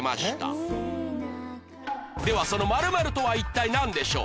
ではその○○とは一体なんでしょう？